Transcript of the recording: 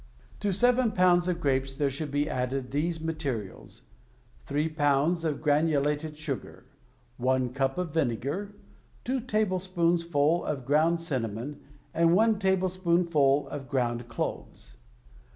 To seven pounds of grapes there should be added these materials — three pounds of granulated sugar, one cup of vinegar, two tablespoonsful of ground cinnamon, and one tablespoonful of ground cloves.